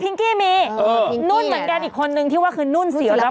พิ้งกี้มีนุ่นเหมือนกันอีกคนนึงที่ว่าคือนุ่นศิลพันธ์